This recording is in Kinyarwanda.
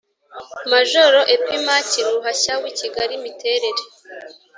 Majoro Epimaki Ruhashya w i Kigali Imiterere